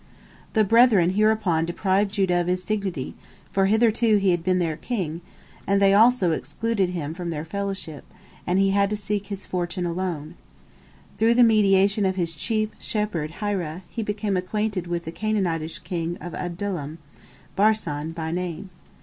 The brethren hereupon deprived Judah of his dignity, for hitherto he had been their king, and they also excluded him from their fellowship, and he had to seek his fortune alone. Through the mediation of his chief shepherd Hirah, he became acquainted with the Canaanitish king of Adullam, Barsan by name.